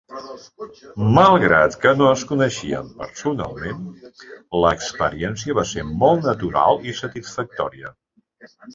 Malgrat que no es coneixien personalment, l'experiència va ser molt natural i satisfactòria.